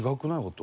音。